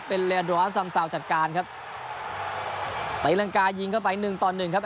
เป็นเลโดอาสัมซาวจัดการครับตีรังกายิงเข้าไปหนึ่งต่อหนึ่งครับ